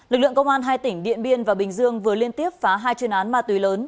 lực lượng công an hai tỉnh điện biên và bình dương vừa liên tiếp phá hai chuyên án ma túy lớn